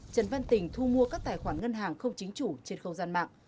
trần văn tình thu mua các tài khoản ngân hàng không chính chủ trên không gian mạng